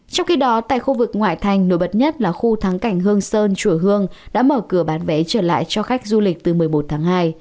trong khi đó tại khu vực ngoại thành nổi bật nhất là khu thắng cảnh hương sơn chùa hương đã mở cửa bán vé trở lại cho khách du lịch từ một mươi một tháng hai